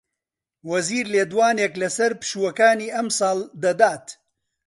وەزیر لێدوانێک لەسەر پشووەکانی ئەمساڵ دەدات